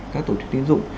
các tổ chức tín dụng